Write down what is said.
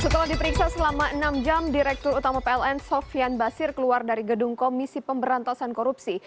setelah diperiksa selama enam jam direktur utama pln sofian basir keluar dari gedung komisi pemberantasan korupsi